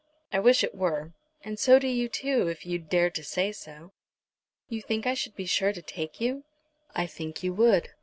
I wish it were, and so do you too, if you'd dare to say so." "You think I should be sure to take you." "I think you would.